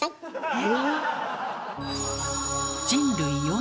え？